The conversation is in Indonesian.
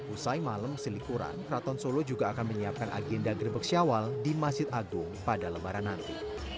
usai malam selikuran kraton solo juga akan menyiapkan agenda gerbek syawal di masjid agung pada lembaran nanti